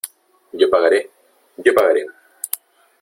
¡ yo pagaré !¡ yo pagaré !